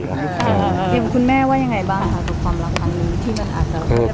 เห็นคุณแม่ว่ายังไงบ้างครับต่อความรักครั้งนี้ที่มาหาเจ้า